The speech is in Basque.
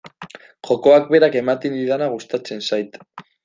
Jokoak berak ematen didana gustatzen zait.